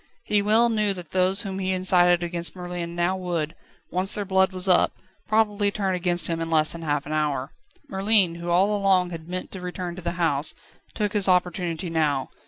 He well knew that those whom he incited against Merlin now would, once their blood was up, probably turn against him in less than half an hour. Merlin, who all along had meant to return to the house, took his opportunity now.